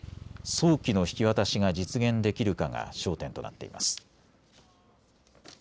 早期の引き渡しが実現できるかが焦点となっています。